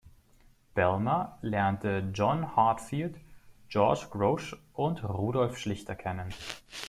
Bellmer lernte John Heartfield, George Grosz und Rudolf Schlichter kennen.